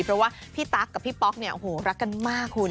เพราะว่าพี่ตั๊กกับพี่ป๊อกเนี่ยโอ้โหรักกันมากคุณ